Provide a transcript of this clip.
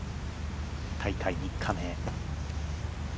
大会３日目。